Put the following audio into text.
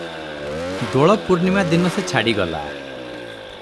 ଦୋଳପୂର୍ଣ୍ଣିମା ଦିନ ସେ ଛାଡ଼ିଗଲା ।